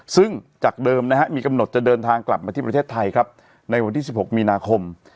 ซึ่งจากเดิมนะฮะมีกำหนดจะเดินทางกลับมาที่ประเทศไทยครับในวันที่๑๖มีนาคม